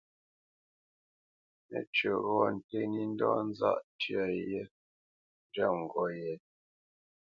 Mə́cywǐ ghɔ̂ nté nǐ ndɔ̌ nzáʼ tyə yé njwɛ̂p ngop yě.